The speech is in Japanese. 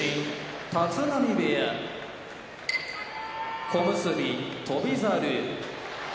立浪部屋小結・翔猿